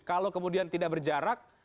kalau kemudian tidak berjarak